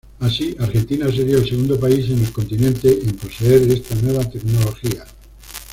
Así, Argentina sería el segundo país en el continente en poseer esta nueva tecnología.